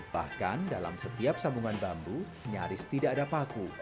bahkan dalam setiap sambungan bambu nyaris tidak ada paku